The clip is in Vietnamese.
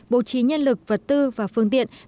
bố trí nhân lực vật tư và phương tiện